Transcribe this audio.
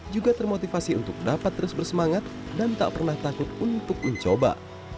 juga termotivasi untuk dapat terus bersemangat dan tak pernah takut untuk mencoba